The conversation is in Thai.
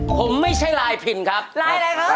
ผมไม่ใช่ลายพินครับ